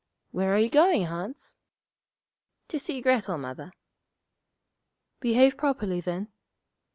'Where are you going, Hans?' 'To see Grettel, Mother.' 'Behave properly, then.'